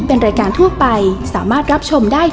โอกาสใหม่พลาด